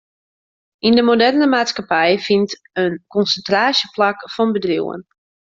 Yn de moderne maatskippij fynt in konsintraasje plak fan bedriuwen.